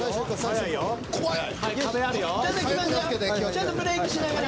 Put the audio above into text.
ちょっとブレーキしながら。